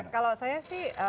kalau saya sih